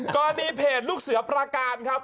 กรณีเพจลูกเสือประการครับ